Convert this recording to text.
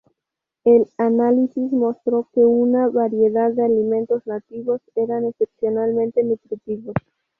El análisis mostró que una variedad de alimentos nativos eran excepcionalmente nutritivos.